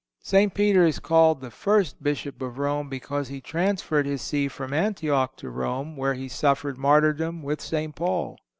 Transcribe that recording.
St. Peter is called the first Bishop of Rome because he transferred his see from Antioch to Rome, where he suffered martyrdom with St. Paul.